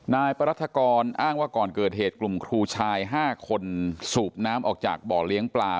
นายปรัฐกรอ้างว่าก่อนเกิดเหตุกลุ่มครูชาย๕คนสูบน้ำออกจากบ่อเลี้ยงปลา